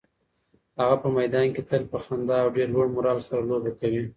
هغه په میدان کې تل په خندا او ډېر لوړ مورال سره لوبه کوي.